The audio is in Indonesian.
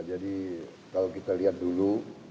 jadi kalau kita lihat dulu